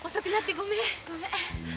ごめん。